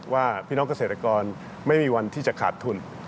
ว่าพี่น้องเกษตรกรไม่มีวันที่จะขาดทุน